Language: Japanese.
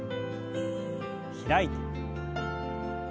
開いて。